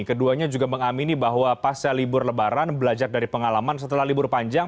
keduanya juga mengamini bahwa pasca libur lebaran belajar dari pengalaman setelah libur panjang